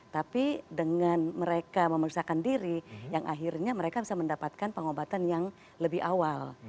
tapi dengan mereka memeriksakan diri yang akhirnya mereka bisa mendapatkan pengobatan yang lebih awal